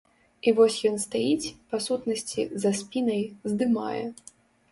І вось ён стаіць, па сутнасці, за спінай, здымае.